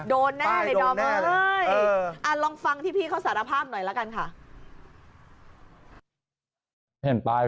โดนแน่เลยโดนแน่เลย